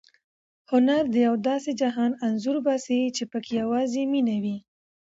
هنر د یو داسې جهان انځور باسي چې پکې یوازې مینه وي.